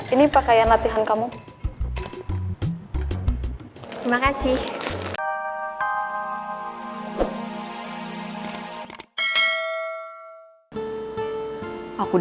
ini pakaian latihan kamu